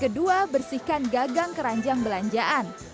kedua bersihkan gagang keranjang belanjaan